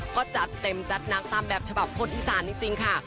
ก็จัดเต็มจัดหนักตามแบบฉบับคนอีสานจริงค่ะ